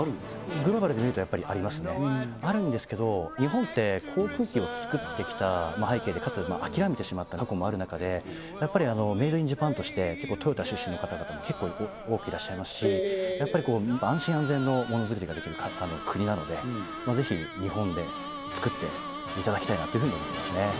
グローバルで見るとやっぱりありますねあるんですけど日本って航空機をつくってきた背景でかつ諦めてしまった過去もある中でやっぱりメイド・イン・ジャパンとしてトヨタ出身の方々も結構多くいらっしゃいますしやっぱり安心・安全のものづくりができる国なのでぜひ日本でつくっていただきたいなというふうに思いますね